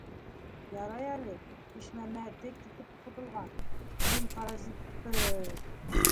Ярай әле Ишмәмәте китеп ҡотолған, мин паразитты...